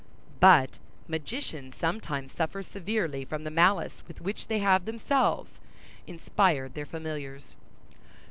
But magicians sometimes suffer severely from the malice with which they have themselves inspired their familiars.